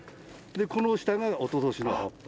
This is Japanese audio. この下がおととしの葉っぱ。